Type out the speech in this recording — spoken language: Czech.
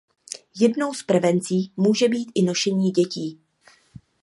Jednou z prevencí může být i nošení dětí.